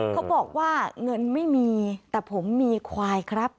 เขาบอกว่าเงินไม่มีแต่ผมมีควายครับ